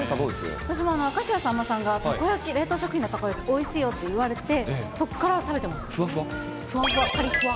明石家さんまさんがたこ焼き、冷凍食品のたこ焼き、おいしいよって言われて、そこから食べてまふわふわ？